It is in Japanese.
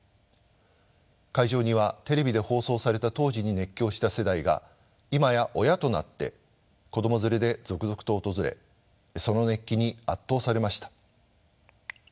会場にはテレビで放送された当時に熱狂した世代が今や親となって子供連れで続々と訪れその熱気に圧倒されました。